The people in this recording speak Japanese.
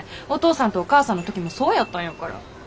お父さんとお母さんの時もそうやったんやから。